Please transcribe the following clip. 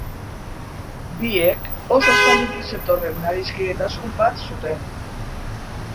Biek, oso aspalditik zetorren adiskidetasun bat zuten.